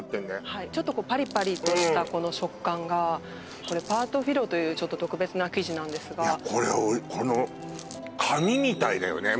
はいちょっとこうパリパリとしたこの食感がこれパートフィロというちょっと特別な生地なんですいやこれこの紙みたいだよね